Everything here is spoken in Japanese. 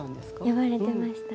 呼ばれていました。